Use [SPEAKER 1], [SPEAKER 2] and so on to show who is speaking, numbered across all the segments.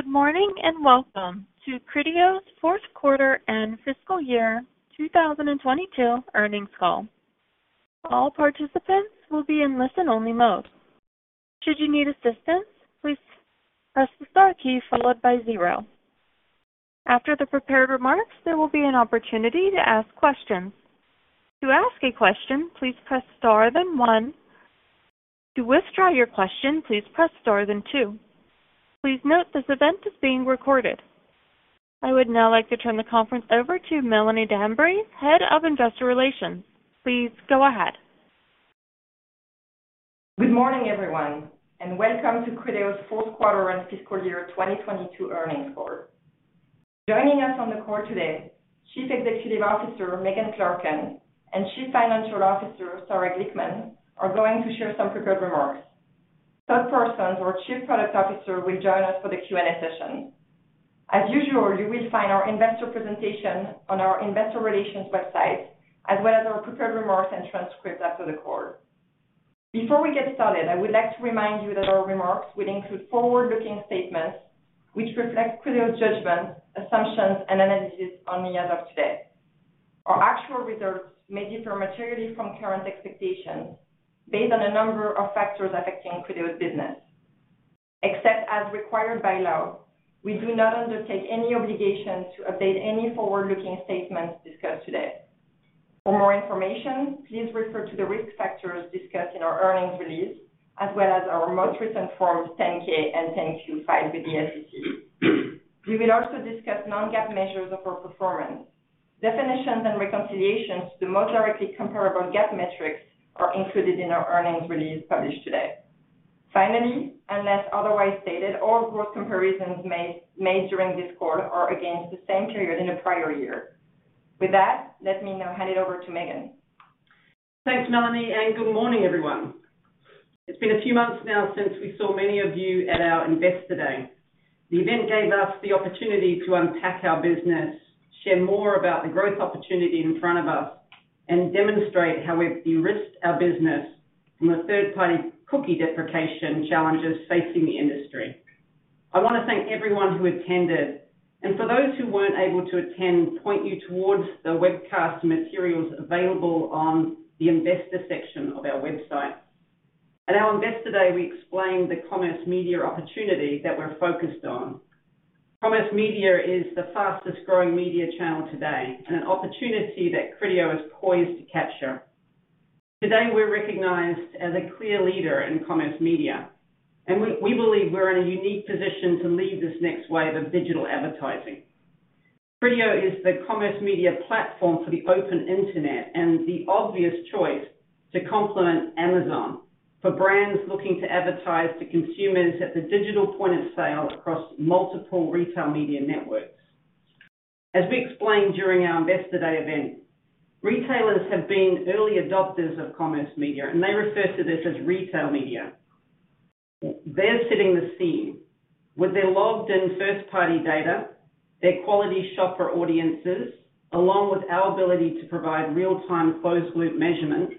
[SPEAKER 1] Good morning, welcome to Criteo's fourth quarter and fiscal year 2022 earnings call. All participants will be in listen-only mode. Should you need assistance, please press the star key followed by zero. After the prepared remarks, there will be an opportunity to ask questions. To ask a question, please press star then one. To withdraw your question, please press star then two. Please note this event is being recorded. I would now like to turn the conference over to Melanie Dambre, Head of Investor Relations. Please go ahead.
[SPEAKER 2] Good morning, everyone, and welcome to Criteo's fourth quarter and fiscal year 2022 earnings call. Joining us on the call today, Chief Executive Officer, Megan Clarken, and Chief Financial Officer, Sarah Glickman, are going to share some prepared remarks. Todd Parsons, our Chief Product Officer, will join us for the Q&A session. As usual, you will find our investor presentation on our investor relations website, as well as our prepared remarks and transcript after the call. Before we get started, I would like to remind you that our remarks will include forward-looking statements which reflect Criteo's judgment, assumptions, and analysis on the as of today. Our actual results may differ materially from current expectations based on a number of factors affecting Criteo's business. Except as required by law, we do not undertake any obligation to update any forward-looking statements discussed today. For more information, please refer to the risk factors discussed in our earnings release, as well as our most recent Forms 10-K and 10-Q filed with the SEC. We will also discuss non-GAAP measures of our performance. Definitions and reconciliations to the most directly comparable GAAP metrics are included in our earnings release published today. Finally, unless otherwise stated, all growth comparisons made during this call are against the same period in the prior year. With that, let me now hand it over to Megan.
[SPEAKER 3] Thanks, Melanie. Good morning, everyone. It's been a few months now since we saw many of you at our Investor Day. The event gave us the opportunity to unpack our business, share more about the growth opportunity in front of us, and demonstrate how we've de-risked our business from the third-party cookie deprecation challenges facing the industry. I want to thank everyone who attended, and for those who weren't able to attend, point you towards the webcast materials available on the investor section of our website. At our Investor Day, we explained the commerce media opportunity that we're focused on. Commerce media is the fastest-growing media channel today and an opportunity that Criteo is poised to capture. Today, we're recognized as a clear leader in commerce media, and we believe we're in a unique position to lead this next wave of digital advertising. Criteo is the Commerce Media Platform for the open internet, the obvious choice to complement Amazon for brands looking to advertise to consumers at the digital point of sale across multiple retail media networks. As we explained during our Investor Day event, retailers have been early adopters of commerce media, they refer to this as retail media. They're setting the scene. With their logged-in first-party data, their quality shopper audiences, along with our ability to provide real-time closed-loop measurement,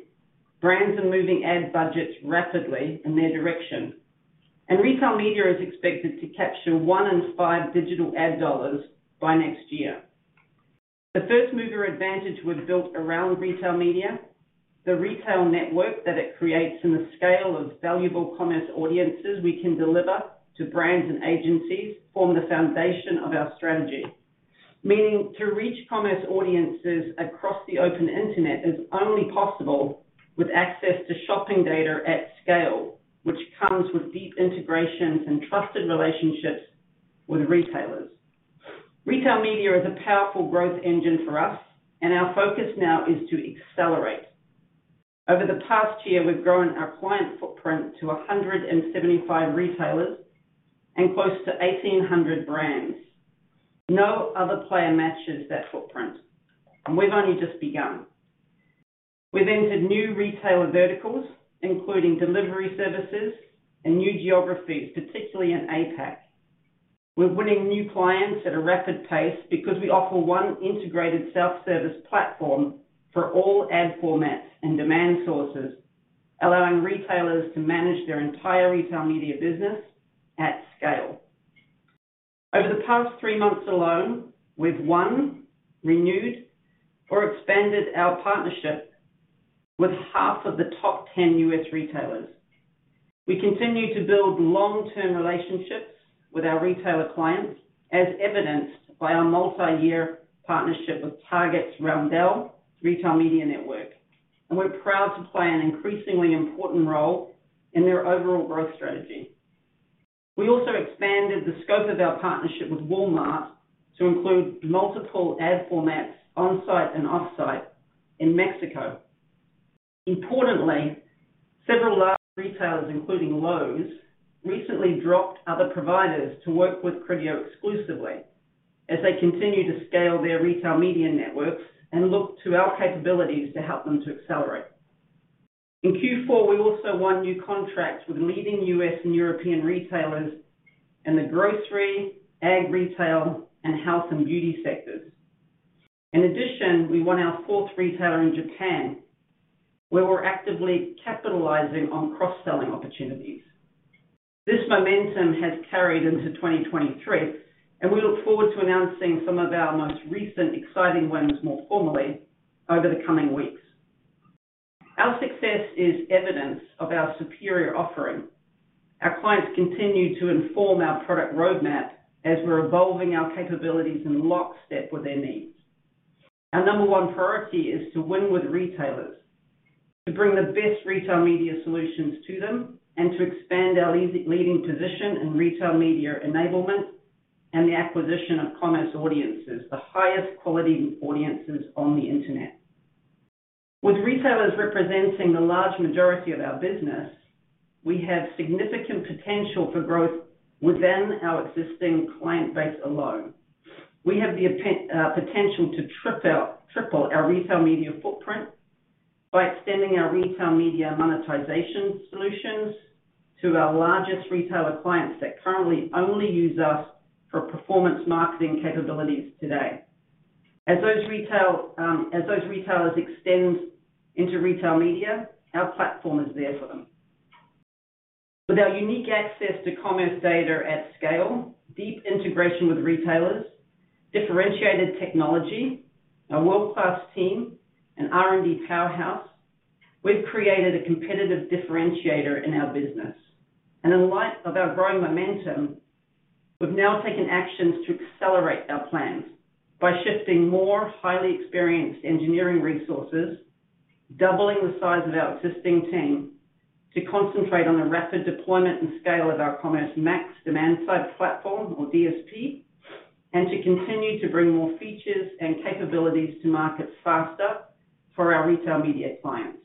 [SPEAKER 3] brands are moving ad budgets rapidly in their direction, retail media is expected to capture one in five digital ad dollars by next year. The first-mover advantage we've built around retail media, the retail network that it creates, and the scale of valuable Commerce Audiences we can deliver to brands and agencies form the foundation of our strategy. Meaning to reach Commerce Audiences across the open internet is only possible with access to shopping data at scale, which comes with deep integrations and trusted relationships with retailers. retail media is a powerful growth engine for us. Our focus now is to accelerate. Over the past year, we've grown our client footprint to 175 retailers and close to 1,800 brands. No other player matches that footprint. We've only just begun. We've entered new retailer verticals, including delivery services and new geographies, particularly in APAC. We're winning new clients at a rapid pace because we offer one integrated self-service platform for all ad formats and demand sources, allowing retailers to manage their entire retail media business at scale. Over the past three months alone, we've won, renewed, or expanded our partnership with half of the top 10 U.S. retailers. We continue to build long-term relationships with our retailer clients, as evidenced by our multi-year partnership with Target's Roundel retail media network, and we're proud to play an increasingly important role in their overall growth strategy. We also expanded the scope of our partnership with Walmart to include multiple ad formats on-site and off-site in Mexico. Importantly, several large retailers, including Lowe's, recently dropped other providers to work with Criteo exclusively as they continue to scale their retail media networks and look to our capabilities to help them to accelerate. In Q4, we also won new contracts with leading U.S. and European retailers in the grocery, ag retail, and health and beauty sectors. In addition, we won our fourth retailer in Japan, where we're actively capitalizing on cross-selling opportunities. This momentum has carried into 2023. We look forward to announcing some of our most recent exciting wins more formally over the coming weeks. Our success is evidence of our superior offering. Our clients continue to inform our product roadmap as we're evolving our capabilities in lockstep with their needs. Our number one priority is to win with retailers, to bring the best retail media solutions to them, and to expand our leading position in retail media enablement and the acquisition of Commerce Audiences, the highest quality audiences on the Internet. With retailers representing the large majority of our business, we have significant potential for growth within our existing client base alone. We have the potential to triple our retail media footprint by extending our retail media monetization solutions to our largest retailer clients that currently only use us for performance marketing capabilities today. As those retailers extend into retail media, our platform is there for them. With our unique access to commerce data at scale, deep integration with retailers, differentiated technology, a world-class team, an R&D powerhouse, we've created a competitive differentiator in our business. In light of our growing momentum, we've now taken actions to accelerate our plans by shifting more highly experienced engineering resources, doubling the size of our existing team to concentrate on the rapid deployment and scale of our Commerce Max demand-side platform, or DSP, to continue to bring more features and capabilities to markets faster for our retail media clients.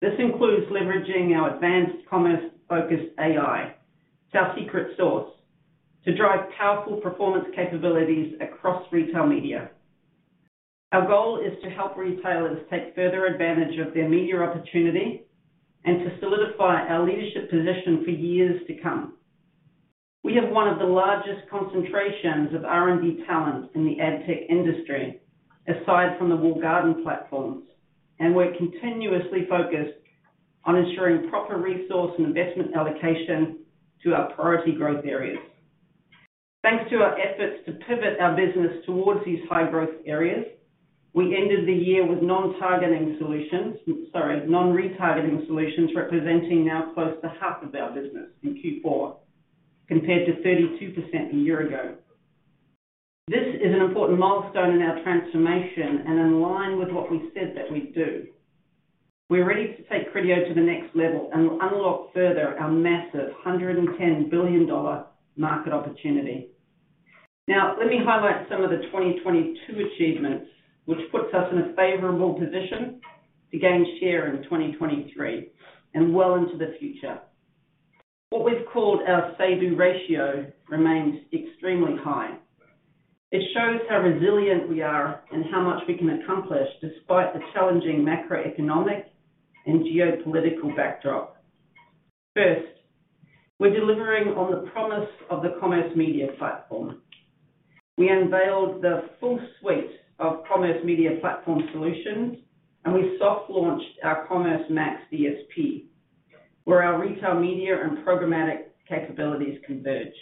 [SPEAKER 3] This includes leveraging our advanced commerce-focused AI, it's our secret sauce, to drive powerful performance capabilities across retail media. Our goal is to help retailers take further advantage of their media opportunity and to solidify our leadership position for years to come. We have one of the largest concentrations of R&D talent in the ad tech industry, aside from the walled garden platforms, and we're continuously focused on ensuring proper resource and investment allocation to our priority growth areas. Thanks to our efforts to pivot our business towards these high-growth areas, we ended the year with non-targeting solutions, sorry, non-retargeting solutions representing now close to half of our business in Q4, compared to 32% a year ago. This is an important milestone in our transformation and in line with what we said that we'd do. We're ready to take Criteo to the next level and unlock further our massive $110 billion market opportunity. Now, let me highlight some of the 2022 achievements, which puts us in a favorable position to gain share in 2023 and well into the future. What we've called our say/do ratio remains extremely high. It shows how resilient we are and how much we can accomplish despite the challenging macroeconomic and geopolitical backdrop. First, we're delivering on the promise of the Commerce Media Platform. We unveiled the full suite of Commerce Media Platform solutions, and we soft-launched our Commerce Max DSP, where our retail media and programmatic capabilities converge.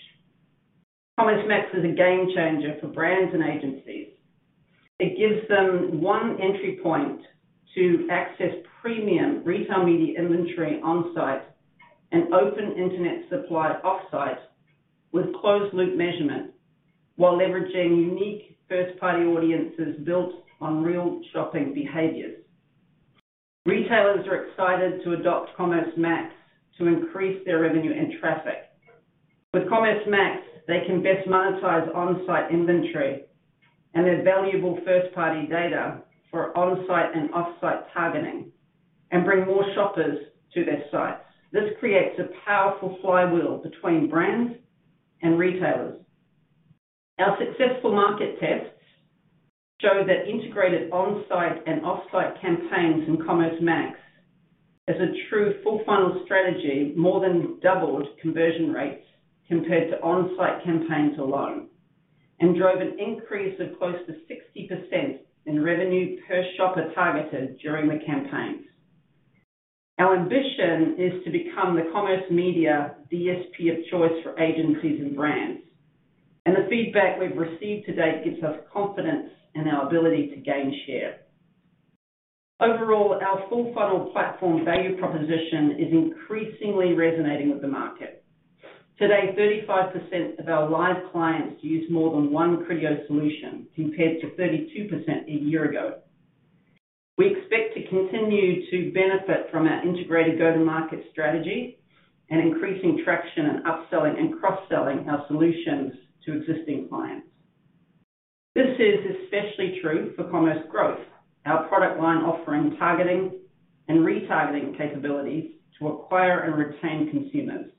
[SPEAKER 3] Commerce Max is a game-changer for brands and agencies. It gives them one entry point to access premium retail media inventory on-site and open internet supply off-site with closed-loop measurement while leveraging unique first-party audiences built on real shopping behaviors. Retailers are excited to adopt Commerce Max to increase their revenue and traffic. With Commerce Max, they can best monetize on-site inventory and their valuable first-party data for on-site and off-site targeting and bring more shoppers to their sites. This creates a powerful flywheel between brands and retailers. Our successful market tests show that integrated on-site and off-site campaigns in Commerce Max as a true full funnel strategy, more than doubled conversion rates compared to on-site campaigns alone and drove an increase of close to 60% in revenue per shopper targeted during the campaigns. The feedback we've received to date gives us confidence in our ability to gain share. Overall, our full funnel platform value proposition is increasingly resonating with the market. Today, 35% of our live clients use more than one Criteo solution, compared to 32% a year ago. We expect to continue to benefit from our integrated go-to-market strategy and increasing traction in upselling and cross-selling our solutions to existing clients. This is especially true for Commerce Growth. Our product line offering targeting and retargeting capabilities to acquire and retain consumers.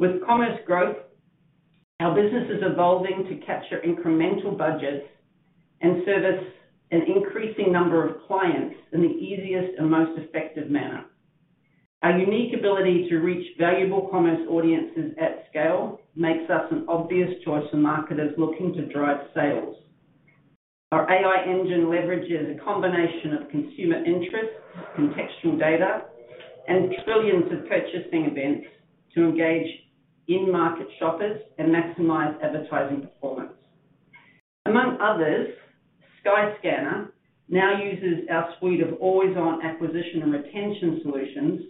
[SPEAKER 3] With Commerce Growth, our business is evolving to capture incremental budgets and service an increasing number of clients in the easiest and most effective manner. Our unique ability to reach valuable Commerce Audiences at scale makes us an obvious choice for marketers looking to drive sales. Our AI engine leverages a combination of consumer interest, contextual data, and trillions of purchasing events to engage in-market shoppers and maximize advertising performance. Among others, Skyscanner now uses our suite of always-on acquisition and retention solutions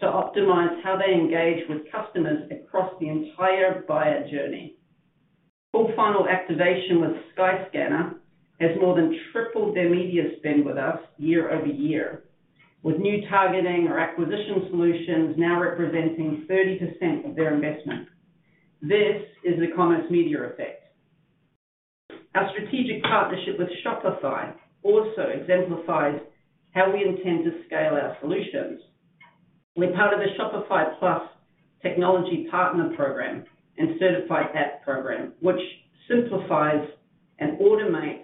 [SPEAKER 3] to optimize how they engage with customers across the entire buyer journey. Full final activation with Skyscanner has more than tripled their media spend with us year-over-year, with new targeting or acquisition solutions now representing 30% of their investment. This is the commerce media effect. Our strategic partnership with Shopify also exemplifies how we intend to scale our solutions. We're part of the Shopify Plus Technology Partner program and certified app program, which simplifies and automates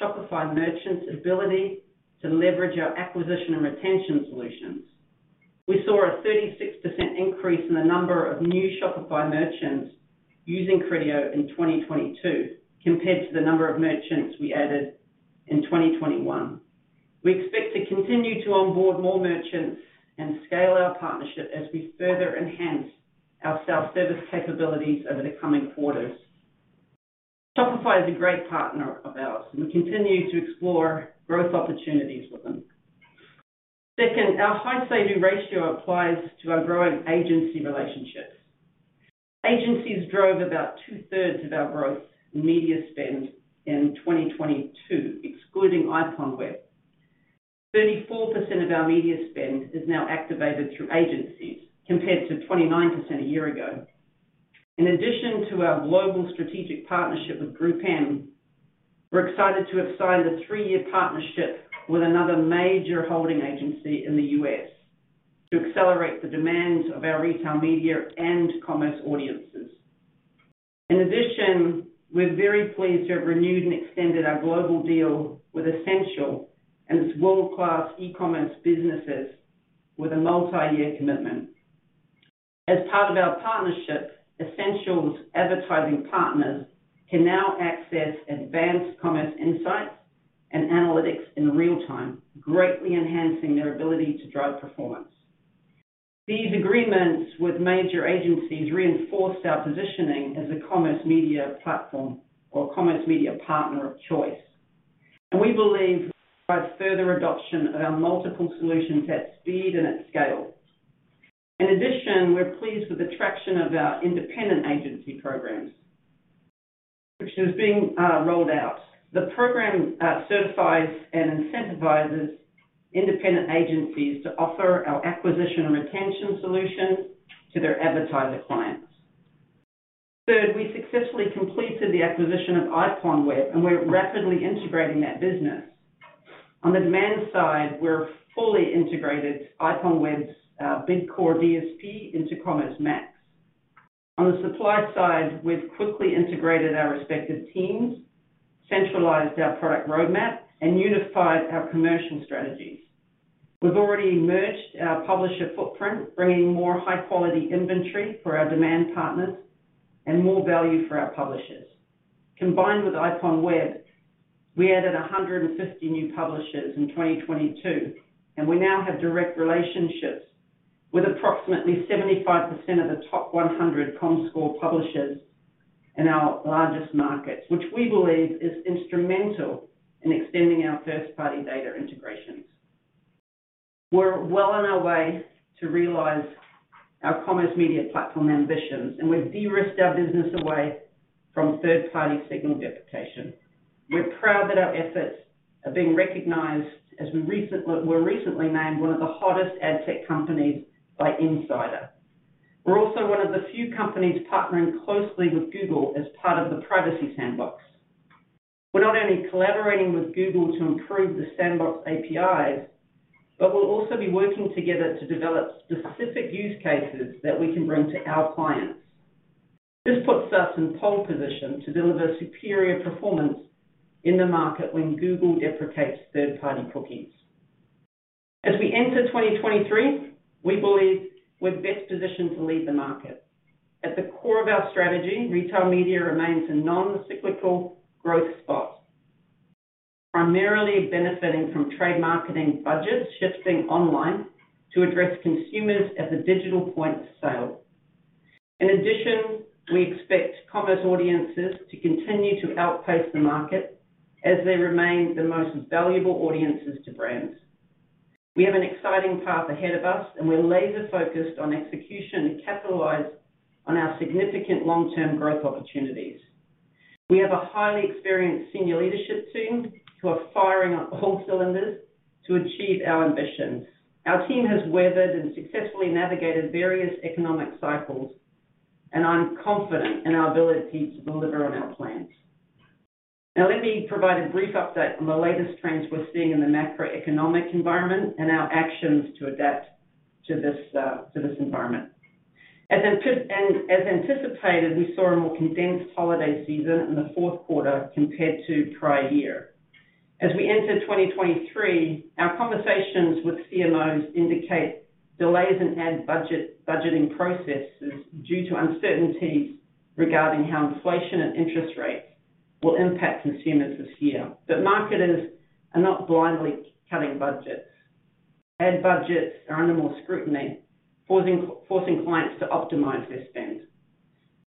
[SPEAKER 3] Shopify merchants' ability to leverage our acquisition and retention solutions. We saw a 36% increase in the number of new Shopify merchants using Criteo in 2022 compared to the number of merchants we added in 2021. We expect to continue to onboard more merchants and scale our partnership as we further enhance our self-service capabilities over the coming quarters. Shopify is a great partner of ours, we continue to explore growth opportunities with them. Second, our high sales ratio applies to our growing agency relationships. Agencies drove about 2/3 of our growth in media spend in 2022, excluding IPONWEB. 34% of our media spend is now activated through agencies, compared to 29% a year ago. In addition to our global strategic partnership with GroupM, we're excited to have signed a three year partnership with another major holding agency in the U.S. to accelerate the demands of our retail media and Commerce Audiences. In addition, we're very pleased to have renewed and extended our global deal with Ascential and its world-class e-commerce businesses with a multi-year commitment. As part of our partnership, Ascential's advertising partners can now access advanced commerce insights and analytics in real-time, greatly enhancing their ability to drive performance. These agreements with major agencies reinforce our positioning as a Commerce Media Platform or commerce media partner of choice. We believe by further adoption of our multiple solutions at speed and at scale. In addition, we're pleased with the traction of our independent agency programs, which is being rolled out. The program certifies and incentivizes independent agencies to offer our acquisition and retention solution to their advertiser clients. Third, we successfully completed the acquisition of IPONWEB, and we're rapidly integrating that business. On the demand side, we're fully integrated IPONWEB's BidCore DSP into Commerce Max. On the supply side, we've quickly integrated our respective teams, centralized our product roadmap, and unified our commercial strategies. We've already merged our publisher footprint, bringing more high-quality inventory for our demand partners and more value for our publishers. Combined with IPONWEB, we added 150 new publishers in 2022, and we now have direct relationships with approximately 75% of the top 100 Comscore publishers in our largest markets, which we believe is instrumental in extending our first-party data integrations. We're well on our way to realize our Commerce Media Platform ambitions, and we've de-risked our business away from third-party signal deprecation. We're proud that our efforts are being recognized as we're recently named one of the hottest ad tech companies by Insider. We're also one of the few companies partnering closely with Google as part of the Privacy Sandbox. We're not only collaborating with Google to improve the sandbox APIs, but we'll also be working together to develop specific use cases that we can bring to our clients. This puts us in pole position to deliver superior performance in the market when Google deprecates third-party cookies. As we enter 2023, we believe we're best positioned to lead the market. At the core of our strategy, retail media remains a non-cyclical growth spot, primarily benefiting from trade marketing budgets shifting online to address consumers at the digital point of sale. In addition, we expect Commerce Audiences to continue to outpace the market as they remain the most valuable audiences to brands. We have an exciting path ahead of us, and we're laser-focused on execution to capitalize on our significant long-term growth opportunities. We have a highly experienced senior leadership team who are firing on all cylinders to achieve our ambitions. Our team has weathered and successfully navigated various economic cycles, and I'm confident in our ability to deliver on our plans. Let me provide a brief update on the latest trends we're seeing in the macroeconomic environment and our actions to adapt to this environment. As anticipated, we saw a more condensed holiday season in the fourth quarter compared to prior year. We enter 2023, our conversations with CMOs indicate delays in ad budgeting processes due to uncertainties regarding how inflation and interest rates will impact consumers this year. Marketers are not blindly cutting budgets. Ad budgets are under more scrutiny, forcing clients to optimize their spend.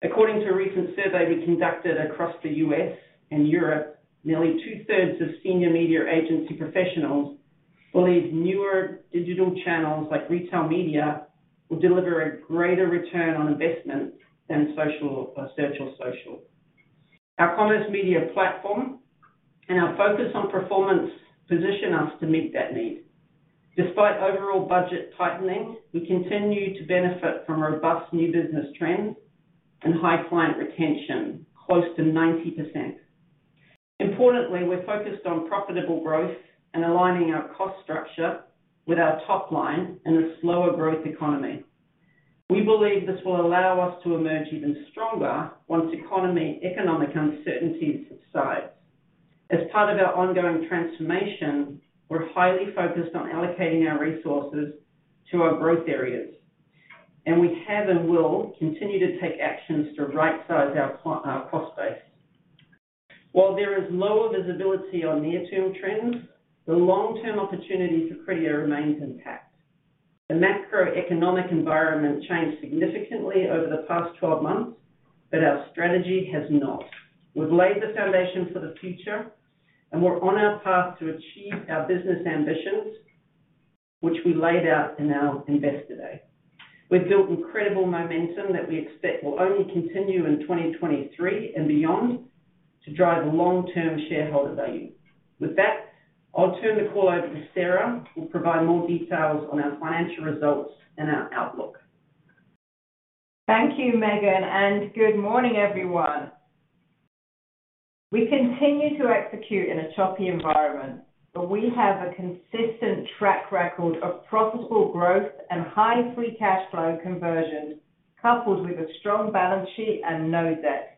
[SPEAKER 3] According to a recent survey we conducted across the U.S. and Europe, nearly 2/3 of senior media agency professionals believe newer digital channels, like retail media, will deliver a greater return on investment than social, search or social. Our Commerce Media Platform and our focus on performance position us to meet that need. Despite overall budget tightening, we continue to benefit from robust new business trends and high client retention, close to 90%. Importantly, we're focused on profitable growth and aligning our cost structure with our top line in a slower growth economy. We believe this will allow us to emerge even stronger once economic uncertainty subsides. As part of our ongoing transformation, we're highly focused on allocating our resources to our growth areas, and we have and will continue to take actions to right size our cost base. While there is lower visibility on near-term trends, the long-term opportunity for Criteo remains intact. The macroeconomic environment changed significantly over the past 12 months. Our strategy has not. We've laid the foundation for the future. We're on our path to achieve our business ambitions, which we laid out in our Investor Day. We've built incredible momentum that we expect will only continue in 2023 and beyond to drive long-term shareholder value. With that, I'll turn the call over to Sarah, who'll provide more details on our financial results and our outlook.
[SPEAKER 4] Thank you, Megan. Good morning, everyone. We continue to execute in a choppy environment. We have a consistent track record of profitable growth and high free cash flow conversion, coupled with a strong balance sheet and no debt.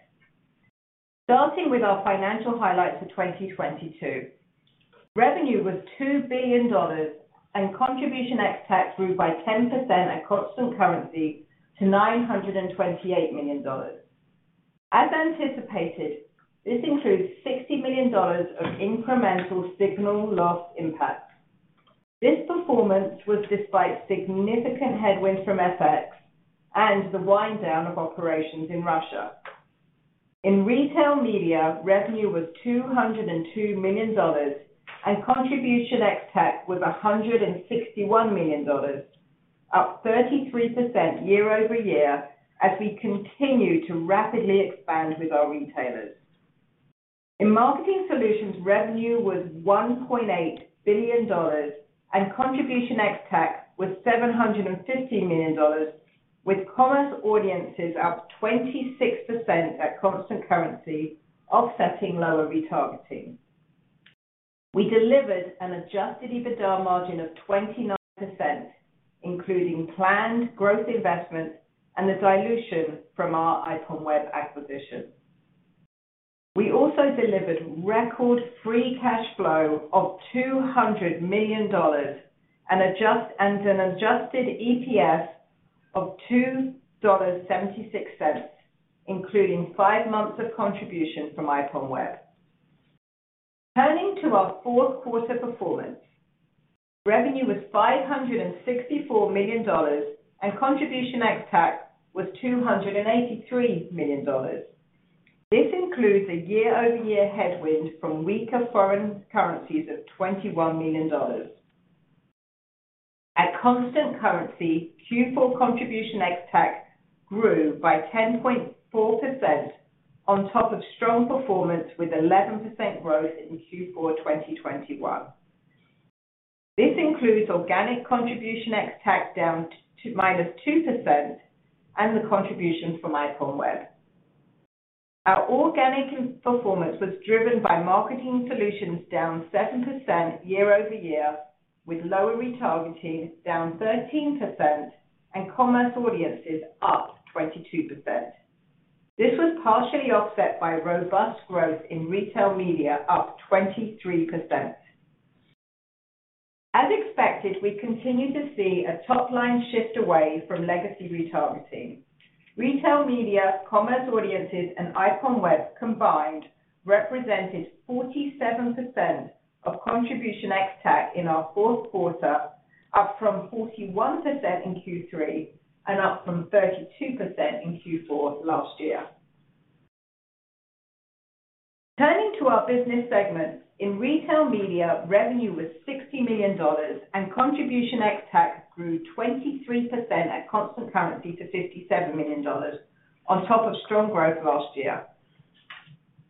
[SPEAKER 4] Starting with our financial highlights for 2022. Revenue was $2 billion, and Contribution ex-TAC grew by 10% at constant currency to $928 million. This includes $60 million of incremental signal loss impact. This performance was despite significant headwinds from FX and the wind down of operations in Russia. In retail media, revenue was $202 million, and Contribution ex-TAC was $161 million, up 33% year-over-year as we continue to rapidly expand with our retailers. In marketing solutions, revenue was $1.8 billion, and Contribution ex-TAC was $750 million, with Commerce Audiences up 26% at constant currency offsetting lower retargeting. We delivered an Adjusted EBITDA margin of 29%, including planned growth investments and the dilution from our IPONWEB acquisition. We also delivered record free cash flow of $200 million, and an Adjusted EPS of $2.76, including five months of contribution from IPONWEB. Turning to our fourth quarter performance. Revenue was $564 million, and Contribution ex-TAC was $283 million. This includes a year-over-year headwind from weaker foreign currencies of $21 million. At constant currency, Q4 Contribution ex-TAC grew by 10.4% on top of strong performance with 11% growth in Q4 2021. This includes organic Contribution ex-TAC down to -2% and the contribution from IPONWEB. Our organic performance was driven by marketing solutions down 7% year-over-year, with lower retargeting down 13% and Commerce Audiences up 22%. This was partially offset by robust growth in retail media up 23%. As expected, we continue to see a top-line shift away from legacy retargeting. retail media, Commerce Audiences, and IPONWEB combined represented 47% of Contribution ex-TAC in our fourth quarter, up from 41% in Q3 and up from 32% in Q4 last year. Turning to our business segments. In retail media, revenue was $60 million, and Contribution ex-TAC grew 23% at constant currency to $57 million on top of strong growth last year.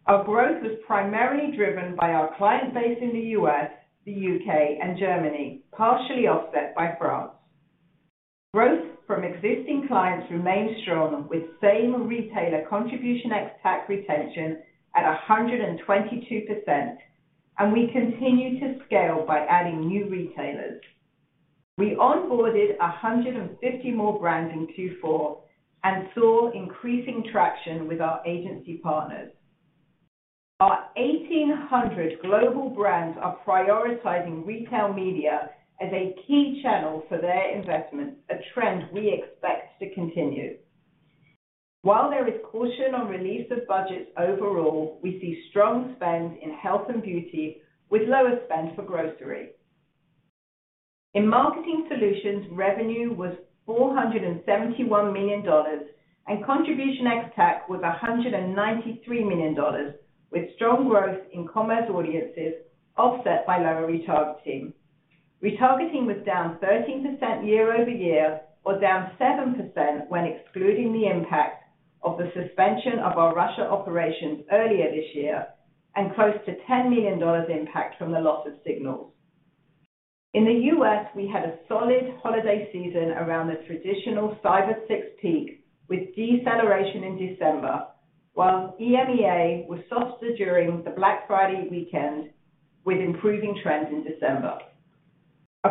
[SPEAKER 4] Our growth was primarily driven by our client base in the U.S., the U.K., and Germany, partially offset by France. Growth from existing clients remained strong, with same retailer Contribution ex-TAC retention at 122%. We continue to scale by adding new retailers. We onboarded 150 more brands in Q4 and saw increasing traction with our agency partners. Our 1,800 global brands are prioritizing retail media as a key channel for their investment, a trend we expect to continue. While there is caution on release of budgets overall, we see strong spend in health and beauty, with lower spend for grocery. In marketing solutions, revenue was $471 million, and Contribution ex-TAC was $193 million, with strong growth in Commerce Audiences offset by lower retargeting. Retargeting was down 13% year-over-year, or down 7% when excluding the impact of the suspension of our Russia operations earlier this year and close to $10 million impact from the loss of signals. In the U.S., we had a solid holiday season around the traditional Cyber Six peak, with deceleration in December, while EMEA was softer during the Black Friday weekend with improving trends in December.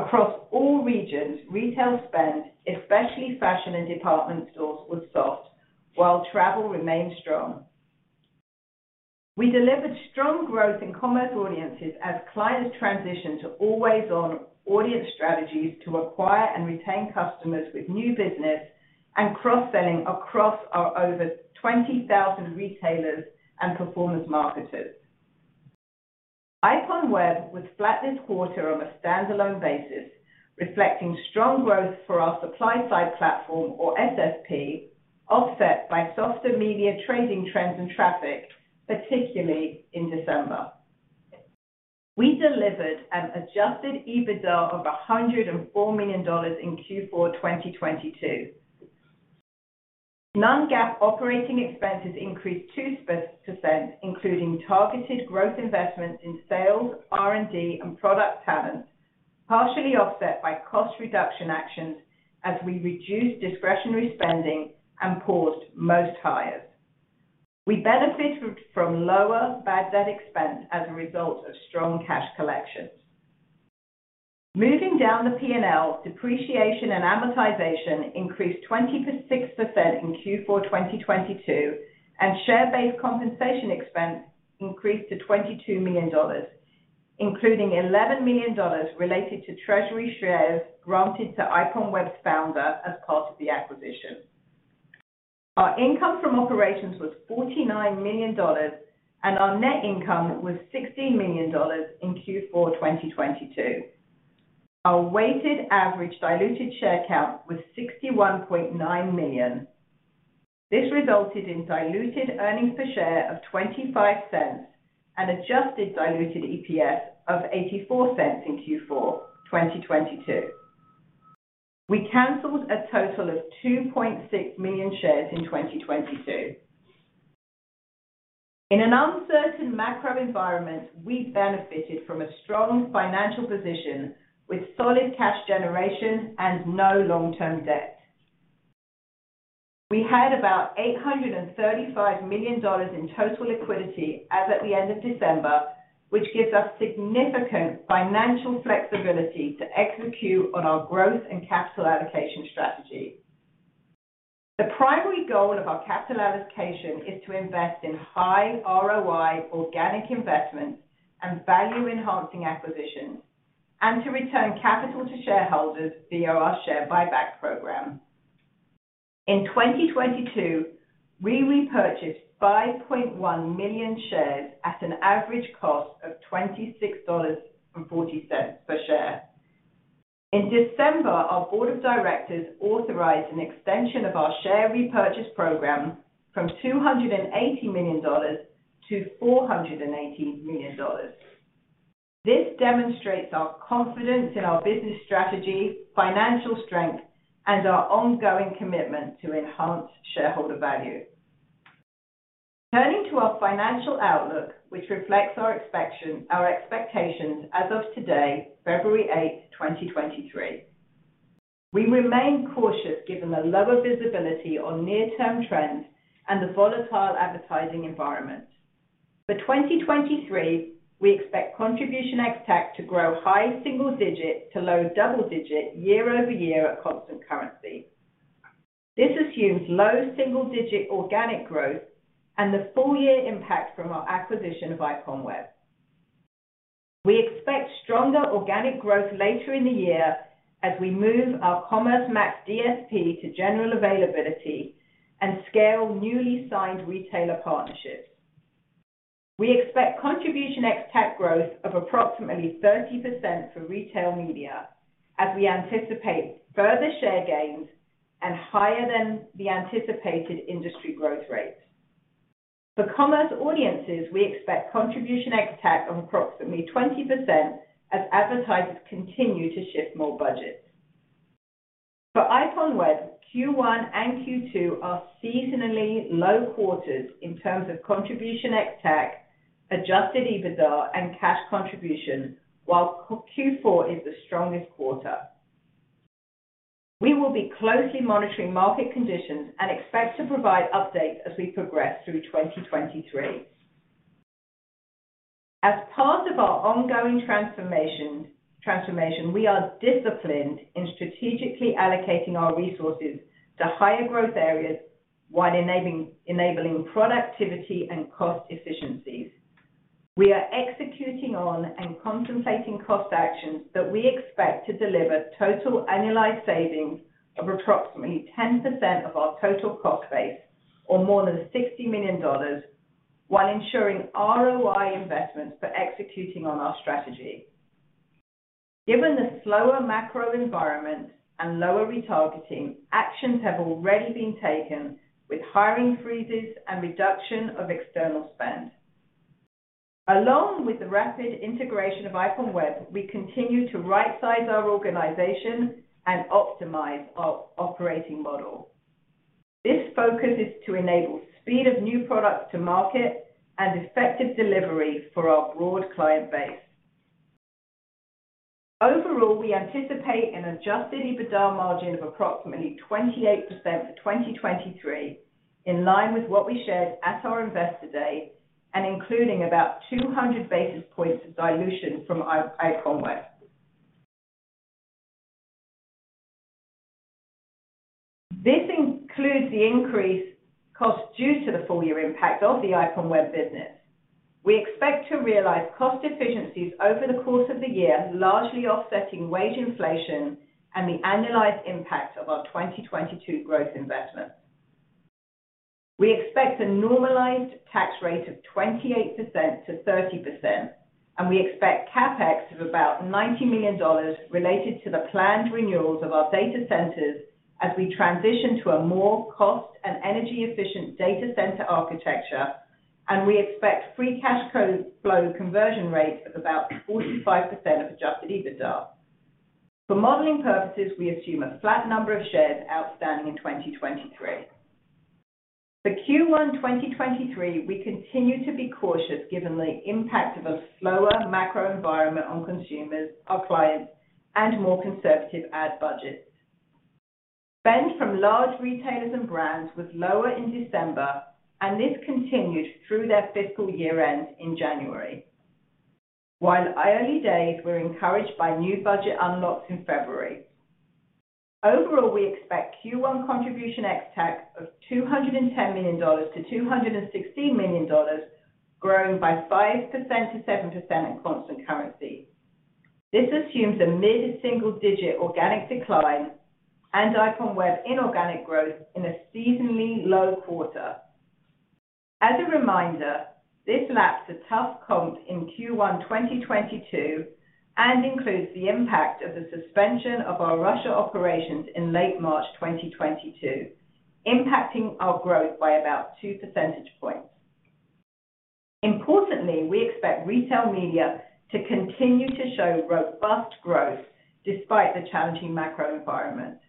[SPEAKER 4] Across all regions, retail spend, especially fashion and department stores, was soft while travel remained strong. We delivered strong growth in Commerce Audiences as clients transition to always-on audience strategies to acquire and retain customers with new business and cross-selling across our over 20,000 retailers and performance marketers. IPONWEB was flat this quarter on a standalone basis, reflecting strong growth for our supply side platform or SSP, offset by softer media trading trends and traffic, particularly in December. We delivered an Adjusted EBITDA of $104 million in Q4 2022. Non-GAAP operating expenses increased 2%, including targeted growth investments in sales, R&D, and product talent, partially offset by cost reduction actions as we reduced discretionary spending and paused most hires. We benefited from lower bad debt expense as a result of strong cash collections. Moving down the P&L, depreciation and amortization increased 26% in Q4 2022, and share-based compensation expense increased to $22 million, including $11 million related to treasury shares granted to IPONWEB's founder as part of the acquisition. Our income from operations was $49 million, and our net income was $16 million in Q4 2022. Our weighted average diluted share count was 61.9 million. This resulted in diluted earnings per share of $0.25 and Adjusted diluted EPS of $0.84 in Q4 2022. We canceled a total of 2.6 million shares in 2022. In an uncertain macro environment, we benefited from a strong financial position with solid cash generation and no long-term debt. We had about $835 million in total liquidity as at the end of December, which gives us significant financial flexibility to execute on our growth and capital allocation strategy. The primary goal of our capital allocation is to invest in high ROI organic investments and value-enhancing acquisitions, and to return capital to shareholders via our share buyback program. In 2022, we repurchased 5.1 million shares at an average cost of $26.40 per share. In December, our board of directors authorized an extension of our share repurchase program from $280 million to $480 million. This demonstrates our confidence in our business strategy, financial strength, and our ongoing commitment to enhance shareholder value. Turning to our financial outlook, which reflects our expectations as of today, February 8, 2023. We remain cautious given the lower visibility on near-term trends and the volatile advertising environment. For 2023, we expect Contribution ex-TAC to grow high single-digit to low double-digit year-over-year at constant currency. This assumes low single-digit organic growth and the full year impact from our acquisition of IPONWEB. We expect stronger organic growth later in the year as we move our Commerce Max DSP to general availability and scale newly signed retailer partnerships. We expect contribution ex-TAC growth of approximately 30% for retail media, as we anticipate further share gains and higher than the anticipated industry growth rates. For Commerce Audiences, we expect contribution ex-TAC on approximately 20% as advertisers continue to shift more budgets. For IPONWEB, Q1 and Q2 are seasonally low quarters in terms of contribution ex-TAC, Adjusted EBITDA, and cash contribution, while Q4 is the strongest quarter. We will be closely monitoring market conditions and expect to provide updates as we progress through 2023. As part of our ongoing transformation, we are disciplined in strategically allocating our resources to higher growth areas while enabling productivity and cost efficiencies. We are executing on and contemplating cost actions that we expect to deliver total annualized savings of approximately 10% of our total cost base, or more than $60 million, while ensuring ROI investments for executing on our strategy. Given the slower macro environment and lower retargeting, actions have already been taken with hiring freezes and reduction of external spend. Along with the rapid integration of IPONWEB, we continue to right-size our organization and optimize our operating model. This focus is to enable speed of new products to market and effective delivery for our broad client base. Overall, we anticipate an adjusted EBITDA margin of approximately 28% for 2023, in line with what we shared at our Investor Day and including about 200 basis points of dilution from IPONWEB. This includes the increased cost due to the full year impact of the IPONWEB business. We expect to realize cost efficiencies over the course of the year, largely offsetting wage inflation and the annualized impact of our 2022 growth investment. We expect a normalized tax rate of 28%-30%, and we expect CapEx of about $90 million related to the planned renewals of our data centers as we transition to a more cost and energy-efficient data center architecture, and we expect free cash flow conversion rates of about 45% of Adjusted EBITDA. For modeling purposes, we assume a flat number of shares outstanding in 2023. For Q1 2023, we continue to be cautious given the impact of a slower macro environment on consumers, our clients, and more conservative ad budgets. Spend from large retailers and brands was lower in December. This continued through their fiscal year-end in January. While early days, we're encouraged by new budget unlocks in February. Overall, we expect Q1 Contribution ex-TAC of $210 million-$216 million, growing by 5%-7% in constant currency. This assumes a mid-single digit organic decline and IPONWEB inorganic growth in a seasonally low quarter. As a reminder, this laps a tough comp in Q1 2022 and includes the impact of the suspension of our Russia operations in late March 2022, impacting our growth by about two percentage points. Importantly, we expect retail media to continue to show robust growth despite the challenging macro environment.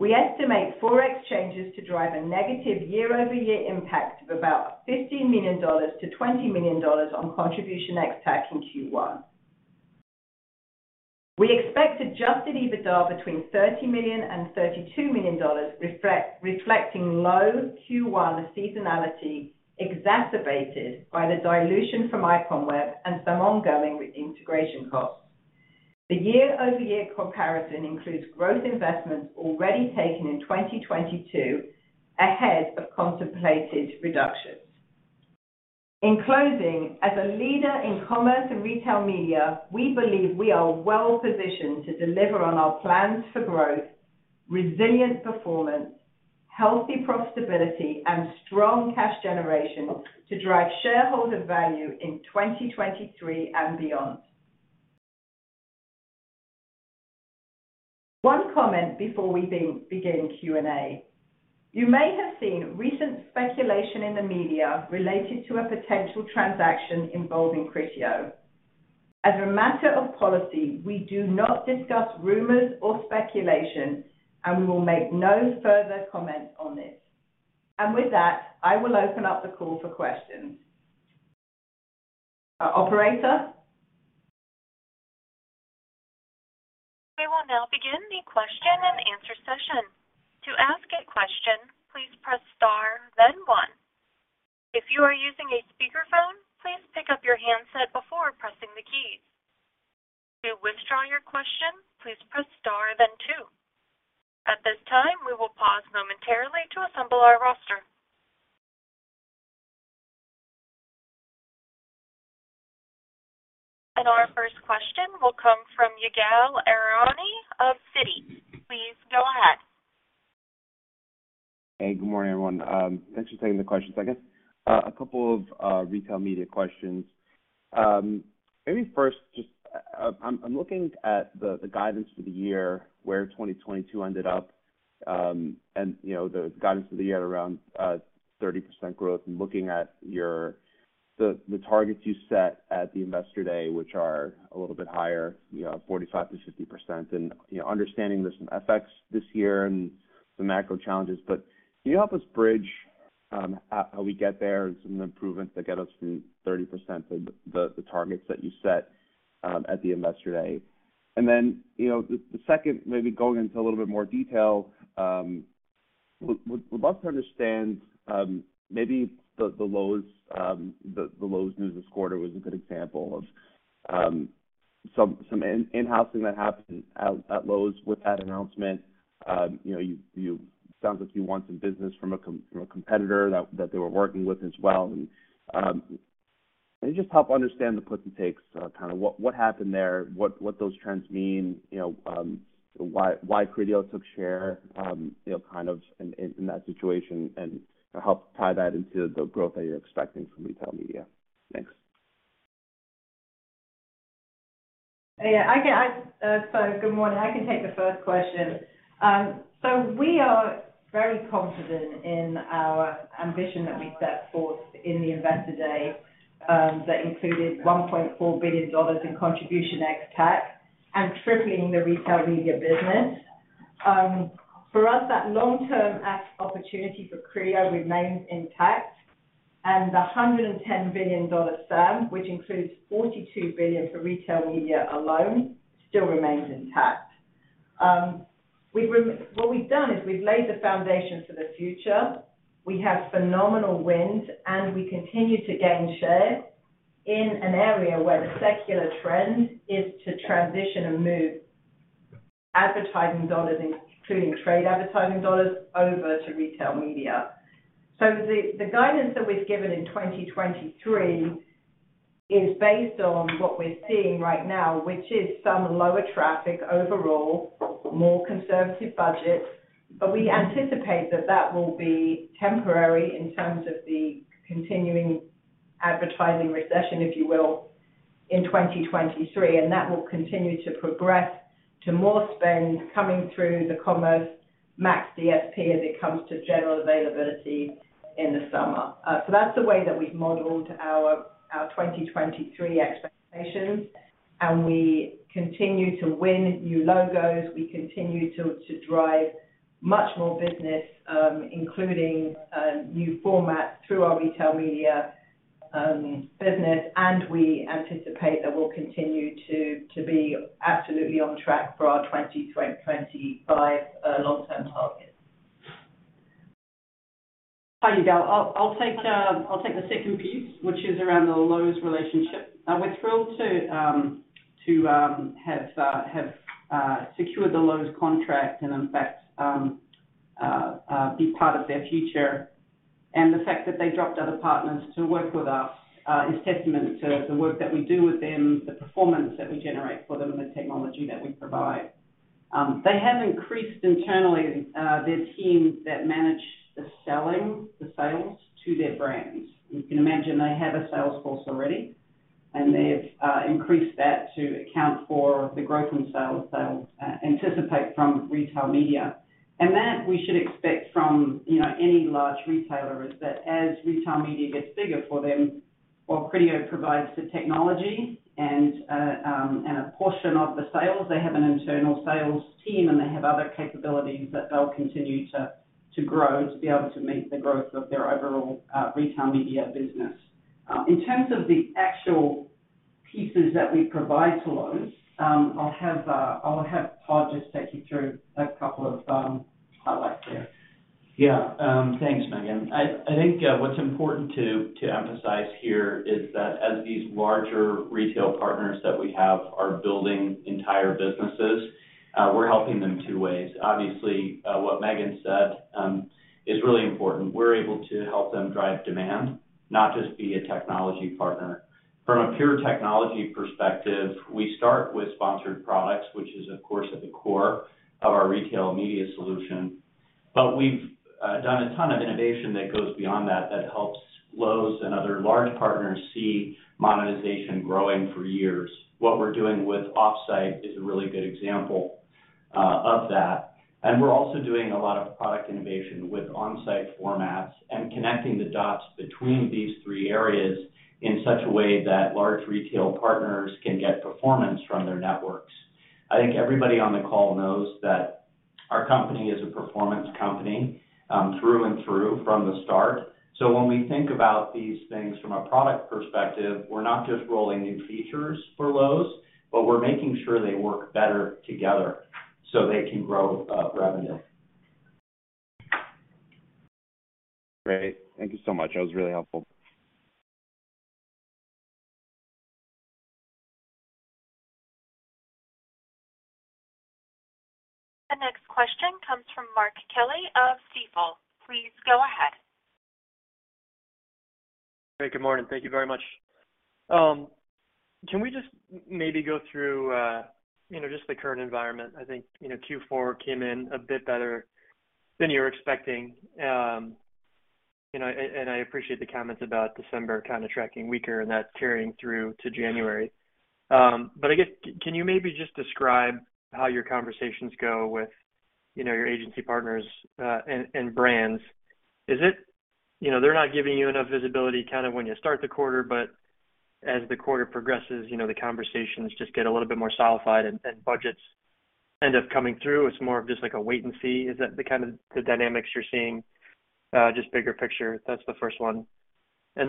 [SPEAKER 4] We estimate ForEx changes to drive a negative year-over-year impact of about $15 million-$20 million on Contribution ex-TAC in Q1. We expect Adjusted EBITDA between $30 million and $32 million, reflecting low Q1 seasonality exacerbated by the dilution from IPONWEB and some ongoing integration costs. The year-over-year comparison includes growth investments already taken in 2022 ahead of contemplated reductions. In closing, as a leader in commerce and retail media, we believe we are well positioned to deliver on our plans for growth, resilient performance, healthy profitability, and strong cash generation to drive shareholder value in 2023 and beyond. One comment before we begin Q&A. You may have seen recent speculation in the media related to a potential transaction involving Criteo. As a matter of policy, we do not discuss rumors or speculation, and we will make no further comment on this. With that, I will open up the call for questions. Operator?
[SPEAKER 1] We will now begin the question and answer session. To ask a question, please press star then one. If you are using a speakerphone, please pick up your handset before pressing the keys. To withdraw your question, please press star then two. At this time, we will pause momentarily to assemble our roster. Our first question will come from Ygal Arounian of Citi. Please go ahead.
[SPEAKER 5] Hey, good morning, everyone. Thanks for taking the questions. I guess, a couple of retail media questions. Maybe first, just I'm looking at the guidance for the year where 2022 ended up, and, you know, the guidance for the year around 30% growth and looking at your the targets you set at the Investor Day, which are a little bit higher, you know, 45%-50%. You know, understanding there's some FX this year and some macro challenges, but can you help us bridge, how we get there and some improvements that get us from 30% of the targets that you set at the Investor Day? You know, the second maybe going into a little bit more detail, we'd love to understand maybe the Lowe's, the Lowe's news this quarter was a good example of some in-house thing that happened at Lowe's with that announcement. You know, sounds like you won some business from a competitor that they were working with as well. Can you just help understand the puts and takes, kind of what happened there, what those trends mean, you know, why Criteo took share, you know, kind of in that situation and help tie that into the growth that you're expecting from retail media? Thanks.
[SPEAKER 4] Good morning. I can take the first question. We are very confident in our ambition that we set forth in the investor day, that included $1.4 billion in Contribution ex-TAC and tripling the retail media business. For us, that long-term opportunity for Criteo remains intact, and the $110 billion SAM, which includes $42 billion for retail media alone, still remains intact. We've laid the foundation for the future. We have phenomenal wins, and we continue to gain share in an area where the secular trend is to transition and move advertising dollars, including trade advertising dollars, over to retail media. The guidance that we've given in 2023 is based on what we're seeing right now, which is some lower traffic overall, more conservative budgets. We anticipate that that will be temporary in terms of the continuing advertising recession, if you will, in 2023, and that will continue to progress to more spend coming through the Commerce Max DSP as it comes to general availability in the summer. That's the way that we've modeled our 2023 expectations. We continue to win new logos. We continue to drive much more business, including new formats through our retail media business. We anticipate that we'll continue to be absolutely on track for our 2025 long-term targets.
[SPEAKER 3] Hi, Ygal. I'll take the second piece, which is around the Lowe's relationship. We're thrilled to have secured the Lowe's contract and in fact, be part of their future. The fact that they dropped other partners to work with us is testament to the work that we do with them, the performance that we generate for them, and the technology that we provide. They have increased internally their team that manage the sales to their brands. You can imagine they have a sales force already, and they've increased that to account for the growth in sales they anticipate from retail media. That we should expect from, you know, any large retailer, is that as retail media gets bigger for them or Criteo provides the technology and a portion of the sales, they have an internal sales team, and they have other capabilities that they'll continue to grow to be able to meet the growth of their overall retail media business. In terms of the actual pieces that we provide to Lowe's, I'll have Todd just take you through a couple of highlights there.
[SPEAKER 6] Yeah. Thanks, Megan. I think what's important to emphasize here is that as these larger retail partners that we have are building entire businesses, we're helping them two ways. Obviously, what Megan said is really important. We're able to help them drive demand, not just be a technology partner. From a pure technology perspective, we start with Sponsored Products, which is of course at the core of our retail media solution. We've done a ton of innovation that goes beyond that that helps Lowe's and other large partners see monetization growing for years. What we're doing with offsite is a really good example of that. We're also doing a lot of product innovation with onsite formats and connecting the dots between these three areas in such a way that large retail partners can get performance from their networks. I think everybody on the call knows that our company is a performance company, through and through from the start. When we think about these things from a product perspective, we're not just rolling new features for Lowe's, but we're making sure they work better together so they can grow revenue.
[SPEAKER 5] Great. Thank you so much. That was really helpful.
[SPEAKER 1] The next question comes from Mark Kelley of Stifel. Please go ahead.
[SPEAKER 7] Hey, good morning. Thank you very much. can we just maybe go through, you know, just the current environment? I think, you know, Q4 came in a bit better than you were expecting. you know, and I appreciate the comments about December kind of tracking weaker and that carrying through to January. I guess can you maybe just describe how your conversations go with, you know, your agency partners, and brands? Is it, you know, they're not giving you enough visibility kind of when you start the quarter, but as the quarter progresses, you know, the conversations just get a little bit more solidified and budgets end up coming through, it's more of just like a wait and see. Is that the kind of the dynamics you're seeing, just bigger picture? That's the first one. My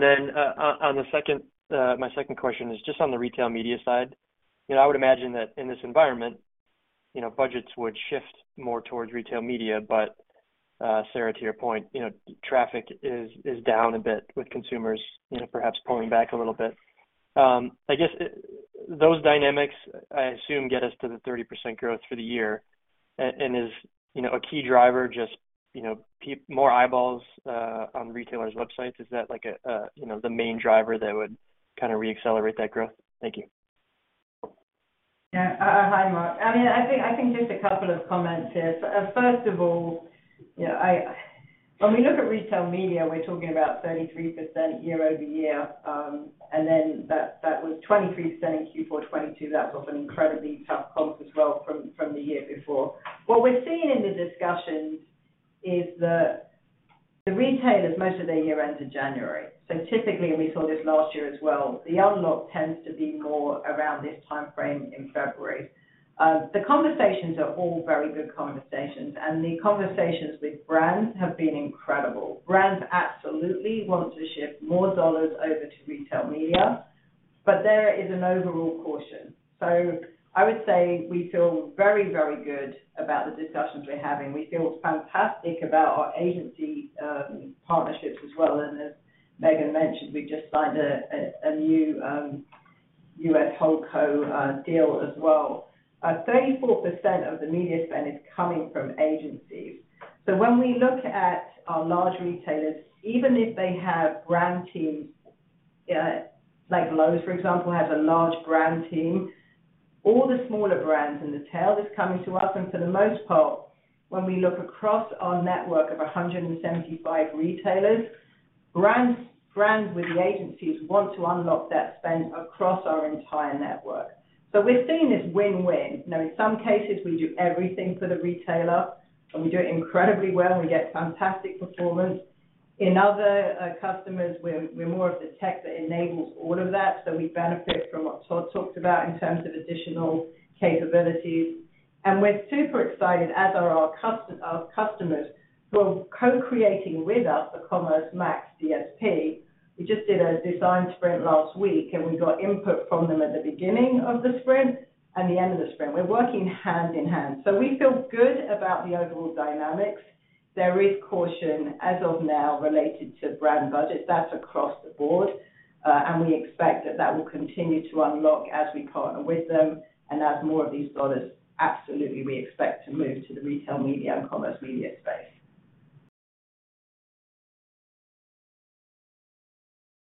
[SPEAKER 7] second question is just on the retail media side. You know, I would imagine that in this environment, you know, budgets would shift more towards retail media. Sarah, to your point, you know, traffic is down a bit with consumers, you know, perhaps pulling back a little bit. I guess those dynamics, I assume, get us to the 30% growth for the year and is, you know, more eyeballs on retailers' websites. Is that like, you know, the main driver that would kind of re-accelerate that growth? Thank you.
[SPEAKER 4] Yeah. Hi, Mark. I mean, I think just a couple of comments here. First of all, you know, when we look at retail media, we're talking about 33% year-over-year, that was 23% in Q4 2022. That's off an incredibly tough comp as well from the year before. What we're seeing in the discussions is that the retailers, most of their year ends in January. Typically, and we saw this last year as well, the unlock tends to be more around this timeframe in February. The conversations are all very good conversations, the conversations with brands have been incredible. Brands absolutely want to shift more dollars over to retail media, there is an overall caution. I would say we feel very, very good about the discussions we're having. We feel fantastic about our agency partnerships as well. As Megan mentioned, we just signed a new U.S. holdco deal as well. 34% of the media spend is coming from agencies. When we look at our large retailers, even if they have brand teams, like Lowe's, for example, has a large brand team, all the smaller brands in the tail is coming to us. For the most part, when we look across our network of 175 retailers, brands with the agencies want to unlock that spend across our entire network. We're seeing this win-win. Now, in some cases, we do everything for the retailer, and we do it incredibly well, and we get fantastic performance. In other customers, we're more of the tech that enables all of that, so we benefit from what Todd talked about in terms of additional capabilities. We're super excited, as are our customers, who are co-creating with us a Commerce Max DSP. We just did a design sprint last week, and we got input from them at the beginning of the sprint and the end of the sprint. We're working hand in hand. We feel good about the overall dynamics. There is caution as of now related to brand budget. That's across the board, and we expect that that will continue to unlock as we partner with them and as more of these dollars, absolutely, we expect to move to the retail media and commerce media space.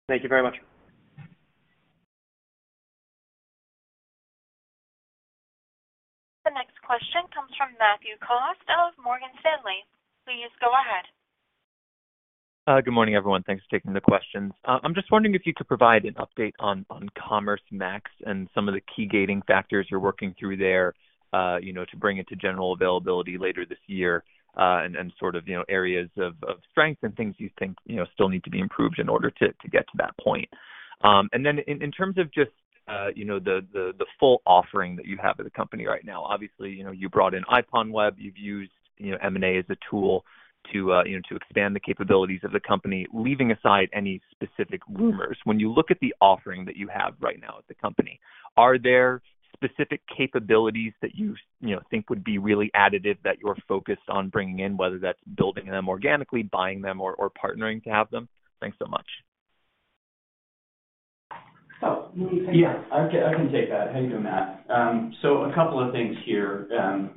[SPEAKER 7] Thank you very much.
[SPEAKER 1] The next question comes from Matthew Cost of Morgan Stanley. Please go ahead.
[SPEAKER 8] Good morning, everyone. Thanks for taking the questions. I'm just wondering if you could provide an update on Commerce Max and some of the key gating factors you're working through there, you know, to bring it to general availability later this year, and sort of, you know, areas of strength and things you think, you know, still need to be improved in order to get to that point. In terms of just, you know, the full offering that you have as a company right now, obviously, you know, you brought in IPONWEB, you've used, you know, M&A as a tool to, you know, to expand the capabilities of the company. Leaving aside any specific rumors, when you look at the offering that you have right now as a company, are there specific capabilities that you know, think would be really additive that you're focused on bringing in, whether that's building them organically, buying them, or partnering to have them? Thanks so much.
[SPEAKER 4] You want me to take that?
[SPEAKER 6] Yeah, I can take that. How you doing, Matt? A couple of things here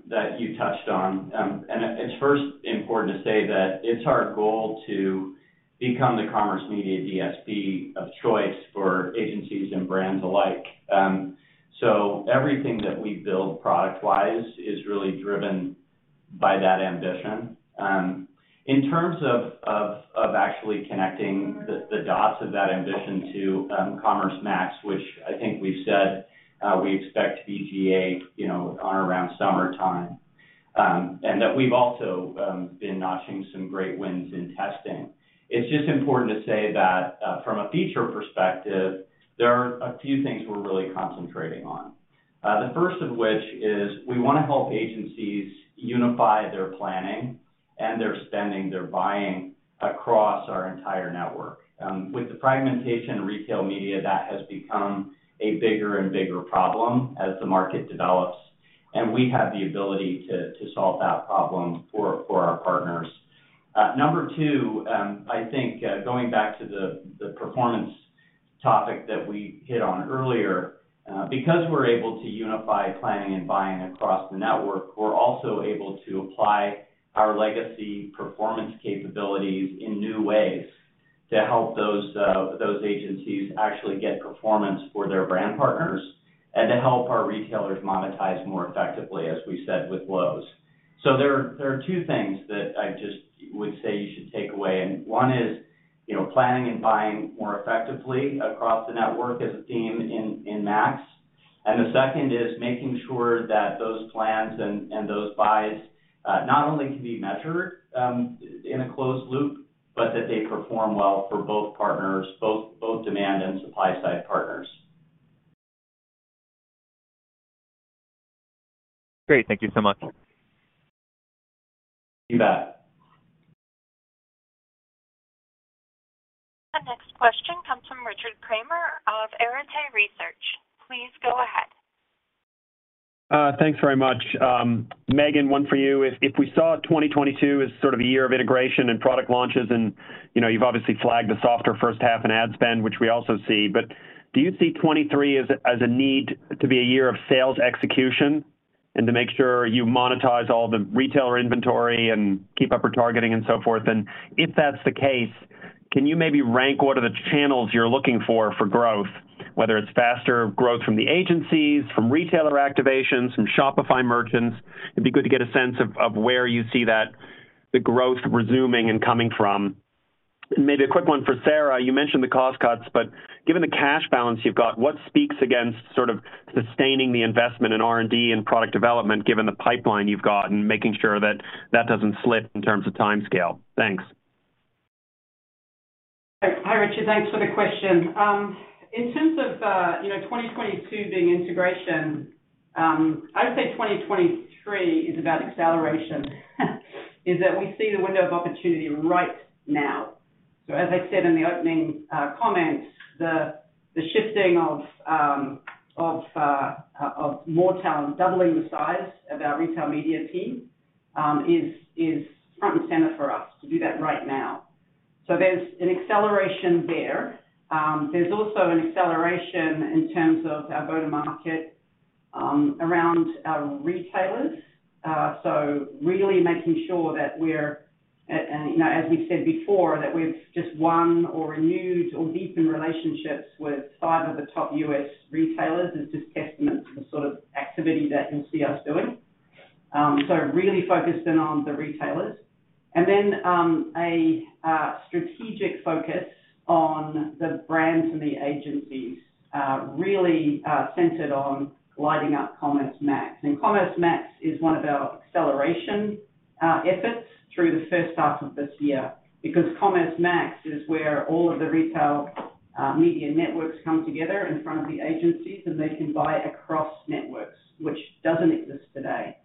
[SPEAKER 6] that you touched on. It's first important to say that it's our goal to become the Commerce Media DSP of choice for agencies and brands alike. Everything that we build product-wise is really driven by that ambition. In terms of actually connecting the dots of that ambition to Commerce Max, which I think we've said, we expect to be GA, you know, on around summertime, and that we've also been notching some great wins in testing. It's just important to say that, from a feature perspective, there are a few things we're really concentrating on. The first of which is we wanna help agencies unify their planning and their spending, their buying across our entire network. With the fragmentation in retail media, that has become a bigger and bigger problem as the market develops, and we have the ability to solve that problem for our partners. Number two, I think, going back to the performance topic that we hit on earlier, because we're able to unify planning and buying across the network, we're also able to apply our legacy performance capabilities in new ways to help those agencies actually get performance for their brand partners and to help our retailers monetize more effectively, as we said with Lowe's. There are two things that I just would say you should take away, and one is, you know, planning and buying more effectively across the network as a theme in Max. The second is making sure that those plans and those buys Not only can be measured, in a closed loop, but that they perform well for both partners, both demand and supply side partners.
[SPEAKER 8] Great. Thank you so much.
[SPEAKER 6] You bet.
[SPEAKER 1] The next question comes from Richard Kramer of Arete Research. Please go ahead.
[SPEAKER 9] Thanks very much. Megan, one for you. If we saw 2022 as sort of a year of integration and product launches and, you know, you've obviously flagged the softer first half in ad spend, which we also see. Do you see 2023 as a need to be a year of sales execution and to make sure you monetize all the retailer inventory and keep up retargeting and so forth? If that's the case, can you maybe rank what are the channels you're looking for for growth, whether it's faster growth from the agencies, from retailer activations, from Shopify merchants? It'd be good to get a sense of where you see the growth resuming and coming from. Maybe a quick one for Sarah. You mentioned the cost cuts, but given the cash balance you've got, what speaks against sort of sustaining the investment in R&D and product development, given the pipeline you've got and making sure that that doesn't slip in terms of timescale? Thanks.
[SPEAKER 3] Hi, Richard. Thanks for the question. In terms of, you know, 2022 being integration, I would say 2023 is about acceleration, is that we see the window of opportunity right now. As I said in the opening comments, the shifting of more talent, doubling the size of our retail media team, is front and center for us to do that right now. There's an acceleration there. There's also an acceleration in terms of our go-to-market around our retailers. Really making sure that we're and, you know, as we've said before, that we've just won or renewed or deepened relationships with five of the top U.S. retailers is just testament to the sort of activity that you see us doing. Really focused in on the retailers. A strategic focus on the brands and the agencies really centered on lighting up Commerce Max. Commerce Max is one of our acceleration efforts through the first half of this year, because Commerce Max is where all of the retail media networks come together in front of the agencies, and they can buy across networks, which doesn't exist today.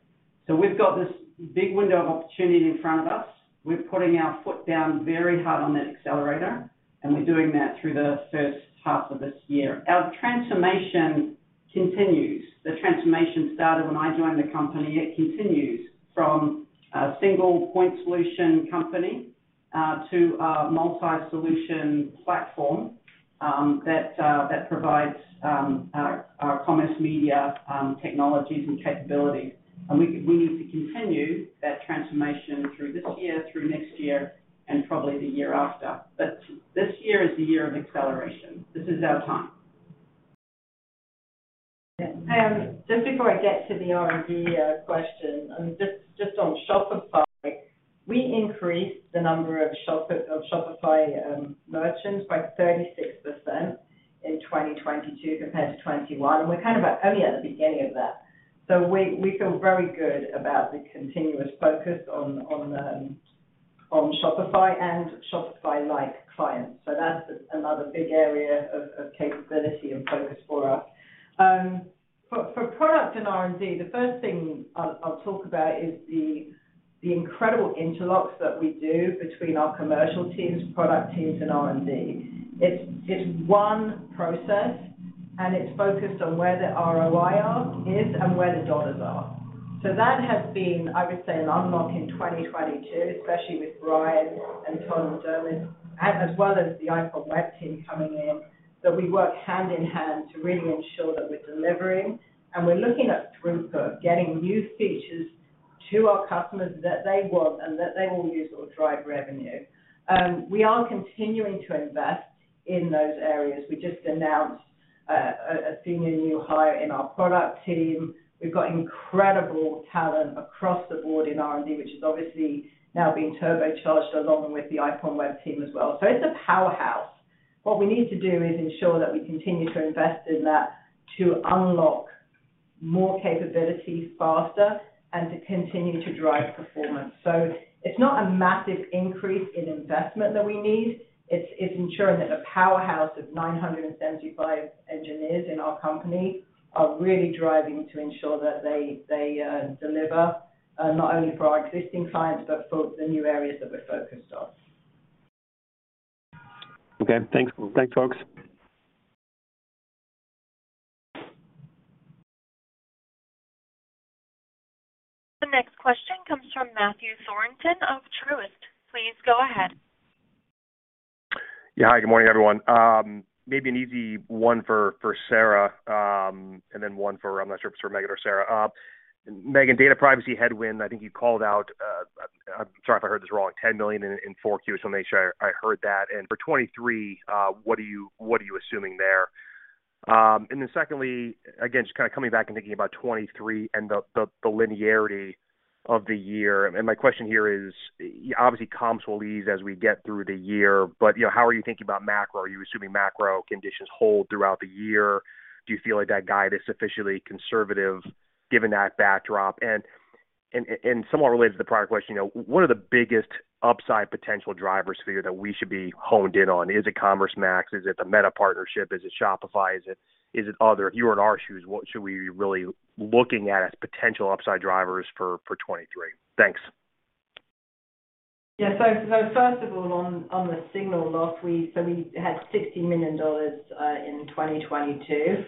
[SPEAKER 3] We've got this big window of opportunity in front of us. We're putting our foot down very hard on that accelerator, and we're doing that through the first half of this year. Our transformation continues. The transformation started when I joined the company. It continues from a single point solution company to a multi-solution platform that provides our commerce media technologies and capabilities. We need to continue that transformation through this year, through next year, and probably the year after. This year is the year of acceleration. This is our time. Just before I get to the R&D question, on Shopify, we increased the number of Shopify merchants by 36% in 2022 compared to 2021. We're kind of only at the beginning of that. We feel very good about the continuous focus on Shopify and Shopify-like clients. That's another big area of capability and focus for us. For product and R&D, the first thing I'll talk about is the incredible interlocks that we do between our commercial teams, product teams, and R&D. It's one process, and it's focused on where the ROI is, and where the dollars are. That has been, I would say, an unlock in 2022, especially with Brian and Tom Derman, as well as the IPONWEB team coming in, that we work hand in hand to really ensure that we're delivering. We're looking at through getting new features to our customers that they want and that they will use or drive revenue. We are continuing to invest in those areas. We just announced a senior new hire in our product team. We've got incredible talent across the board in R&D, which is obviously now being turbocharged along with the IPONWEB team as well. It's a powerhouse. What we need to do is ensure that we continue to invest in that to unlock more capabilities faster and to continue to drive performance. It's not a massive increase in investment that we need. It's ensuring that a powerhouse of 975 engineers in our company are really driving to ensure that they deliver not only for our existing clients, but for the new areas that we're focused on.
[SPEAKER 9] Okay, thanks. Thanks, folks.
[SPEAKER 1] The next question comes from Matthew Thornton of Truist. Please go ahead.
[SPEAKER 10] Yeah. Hi, good morning, everyone. Maybe an easy one for Sarah, and then one for, I'm not sure if it's for Megan or Sarah. Megan, data privacy headwind, I think you called out, I'm sorry if I heard this wrong, $10 million in Q4, so make sure I heard that. For 2023, what are you assuming there? Secondly, again, just kinda coming back and thinking about 2023 and the linearity of the year. My question here is, obviously comps will ease as we get through the year, but, you know, how are you thinking about macro? Are you assuming macro conditions hold throughout the year? Do you feel like that guide is sufficiently conservative given that backdrop? Somewhat related to the prior question, you know, what are the biggest upside potential drivers for you that we should be honed in on? Is it Commerce Max? Is it the Meta partnership? Is it Shopify? Is it other? If you were in our shoes, what should we be really looking at as potential upside drivers for 2023? Thanks.
[SPEAKER 4] First of all, on the signal loss, we had $60 million in 2022,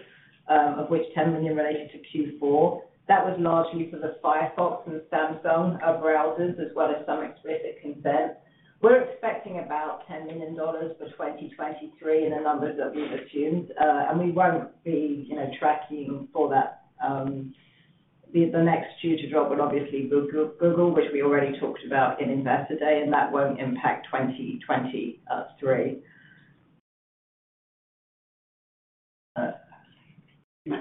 [SPEAKER 4] of which $10 million related to Q4. That was largely for the Firefox and the Samsung browsers, as well as some explicit consent. We're expecting about $10 million for 2023 in the numbers that we've assumed. We won't be, you know, tracking for that, the next shoe to drop would obviously be Google, which we already talked about in Investor Day, and that won't impact 2023.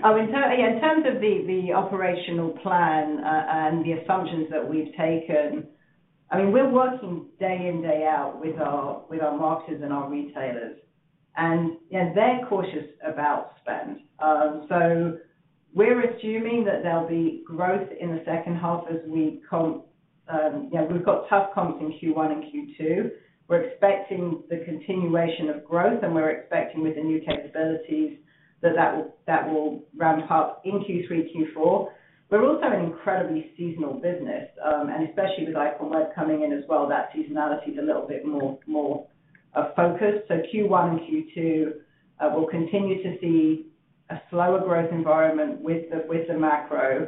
[SPEAKER 4] I mean, yeah, in terms of the operational plan, and the assumptions that we've taken, I mean, we're working day in, day out with our marketers and our retailers. Yeah, they're cautious about spend. We're assuming that there'll be growth in the second half as we comp. You know, we've got tough comps in Q1 and Q2. We're expecting the continuation of growth, and we're expecting with the new capabilities that will ramp up in Q3, Q4. We're also an incredibly seasonal business, and especially with iPhone 14 coming in as well, that seasonality is a little bit more focused. Q1 and Q2, we'll continue to see a slower growth environment with the macro,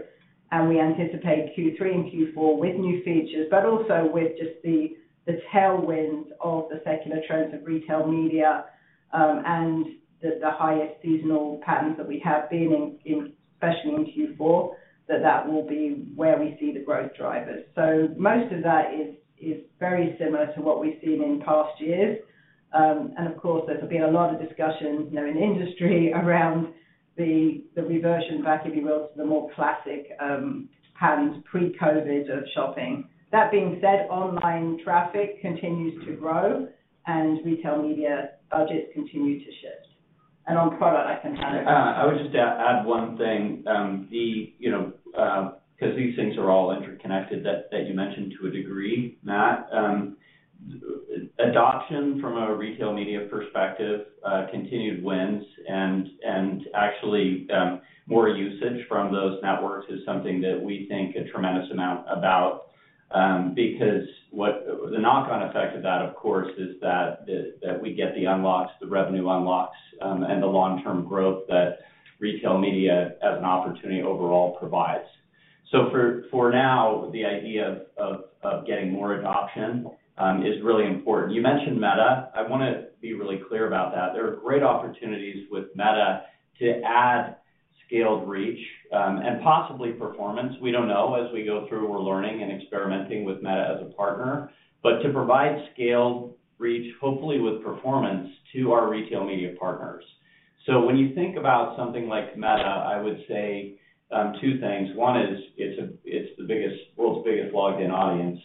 [SPEAKER 4] and we anticipate Q3 and Q4 with new features, but also with just the tailwind of the secular trends of retail media, and the highest seasonal patterns that we have been in especially in Q4, that will be where we see the growth drivers. Most of that is very similar to what we've seen in past years. Of course, there's been a lot of discussion, you know, in industry around the reversion back, if you will, to the more classic patterns pre-COVID of shopping. That being said, online traffic continues to grow and retail media budgets continue to shift. On product, I can hand over.
[SPEAKER 6] I would just add one thing. The, you know, 'cause these things are all interconnected that you mentioned to a degree, Matt. Adoption from a retail media perspective, continued wins and actually more usage from those networks is something that we think a tremendous amount about, because the knock-on effect of that, of course, is that we get the unlocks, the revenue unlocks, and the long-term growth that retail media as an opportunity overall provides. For, for now, the idea of getting more adoption is really important. You mentioned Meta. I wanna be really clear about that. There are great opportunities with Meta to add scaled reach and possibly performance. We don't know. As we go through, we're learning and experimenting with Meta as a partner. To provide scaled reach, hopefully with performance to our retail media partners. When you think about something like Meta, I would say, two things. One is it's the world's biggest logged in audience.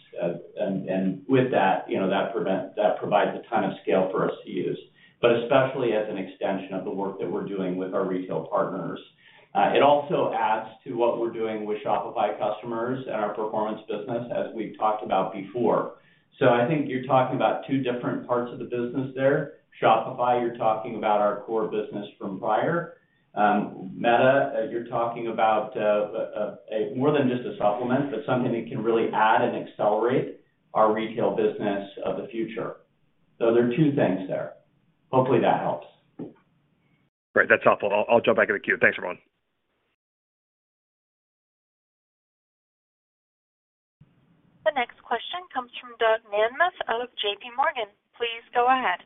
[SPEAKER 6] And with that, you know, that provides a ton of scale for us to use, but especially as an extension of the work that we're doing with our retail partners. It also adds to what we're doing with Shopify customers and our performance business as we've talked about before. I think you're talking about two different parts of the business there. Shopify, you're talking about our core business from prior. Meta, you're talking about a more than just a supplement, but something that can really add and accelerate our retail business of the future. There are two things there. Hopefully, that helps.
[SPEAKER 10] Great. That's helpful. I'll jump back in the queue. Thanks, everyone.
[SPEAKER 1] The next question comes from Doug Anmuth out of J.P. Morgan. Please go ahead.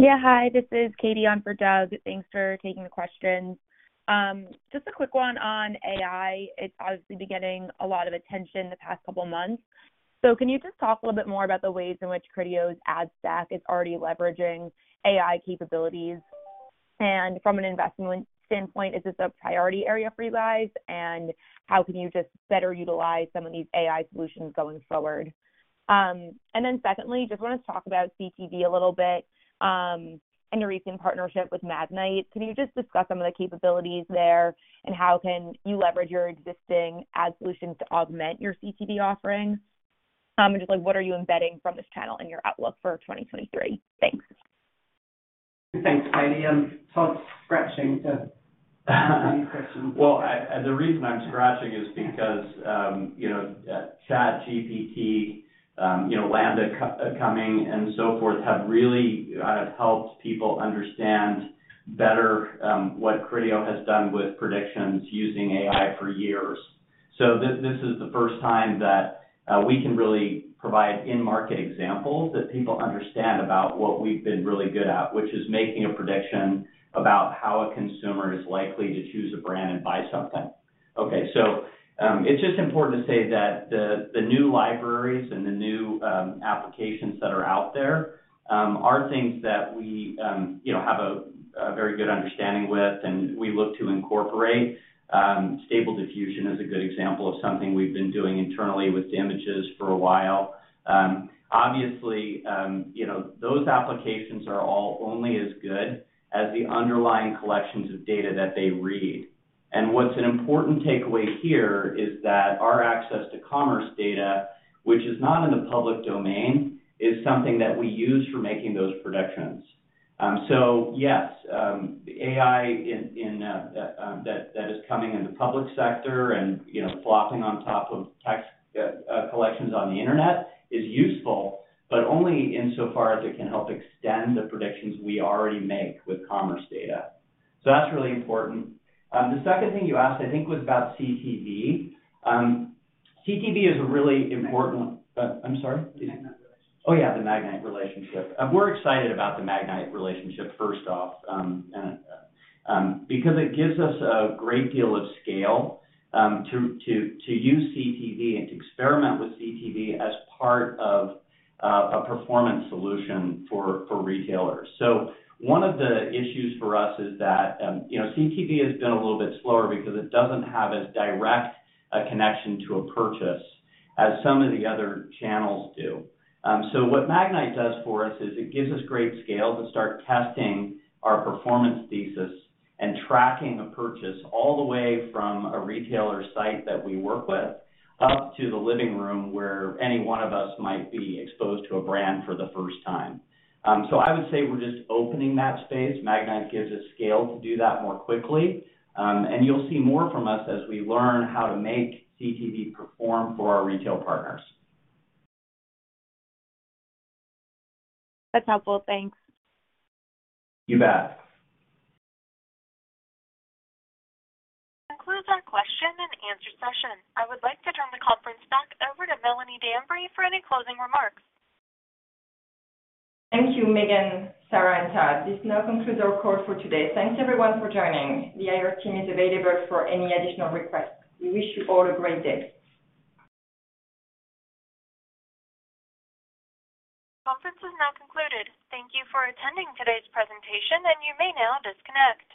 [SPEAKER 11] Yeah. Hi, this is Katie on for Doug. Thanks for taking the question. Just a quick one on AI. It's obviously been getting a lot of attention the past couple of months. Can you just talk a little bit more about the ways in which Criteo's ad stack is already leveraging AI capabilities? From an investment standpoint, is this a priority area for you guys? How can you just better utilize some of these AI solutions going forward? Secondly, just wanna talk about CTV a little bit, and your recent partnership with Magnite. Can you just discuss some of the capabilities there? How can you leverage your existing ad solutions to augment your CTV offerings? Just like what are you embedding from this channel in your outlook for 2023? Thanks.
[SPEAKER 3] Thanks, Katie. Todd's scratching to answer these questions.
[SPEAKER 6] Well, the reason I'm scratching is because, you know, ChatGPT, you know, LaMDA coming and so forth have really helped people understand better, what Criteo has done with predictions using AI for years. This is the first time that we can really provide in-market examples that people understand about what we've been really good at, which is making a prediction about how a consumer is likely to choose a brand and buy something. Okay. It's just important to say that the new libraries and the new applications that are out there, are things that we, you know, have a very good understanding with and we look to incorporate. Stable Diffusion is a good example of something we've been doing internally with images for a while. Obviously, you know, those applications are all only as good as the underlying collections of data that they read. What's an important takeaway here is that our access to commerce data, which is not in the public domain, is something that we use for making those predictions. Yes, the AI in that is coming in the public sector and, you know, flopping on top of text collections on the Internet is useful, but only insofar as it can help extend the predictions we already make with commerce data. That's really important. The second thing you asked, I think, was about CTV. CTV is a really important-
[SPEAKER 3] Magnite.
[SPEAKER 6] I'm sorry?
[SPEAKER 3] The Magnite relationship.
[SPEAKER 6] Oh, yeah, the Magnite relationship. We're excited about the Magnite relationship, first off, because it gives us a great deal of scale to use CTV and to experiment with CTV as part of a performance solution for retailers. One of the issues for us is that, you know, CTV has been a little bit slower because it doesn't have as direct a connection to a purchase as some of the other channels do. What Magnite does for us is it gives us great scale to start testing our performance thesis and tracking a purchase all the way from a retailer site that we work with up to the living room, where any one of us might be exposed to a brand for the first time. I would say we're just opening that space. Magnite gives us scale to do that more quickly. You'll see more from us as we learn how to make CTV perform for our retail partners.
[SPEAKER 11] That's helpful. Thanks.
[SPEAKER 6] You bet.
[SPEAKER 1] That concludes our question and answer session. I would like to turn the conference back over to Melanie Dambre for any closing remarks.
[SPEAKER 2] Thank you, Megan, Sarah, and Todd. This now concludes our call for today. Thanks everyone for joining. The IR team is available for any additional requests. We wish you all a great day.
[SPEAKER 1] Conference is now concluded. Thank you for attending today's presentation. You may now disconnect.